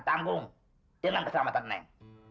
tanggung dengan keselamatan neng